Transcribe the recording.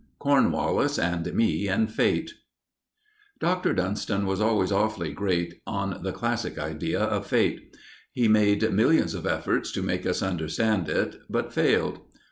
CORNWALLIS AND ME AND FATE Dr. Dunston was always awfully great on the classic idea of Fate. He made millions of efforts to make us understand it, but failed.